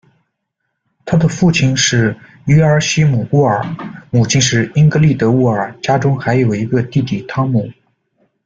她的父亲是约阿希姆·沃尔，母亲是英格丽德·沃尔，家中还有一个弟弟汤姆。